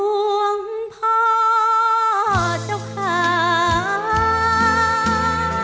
ดูเขาเล็ดดมชมเล่นด้วยใจเปิดเลิศ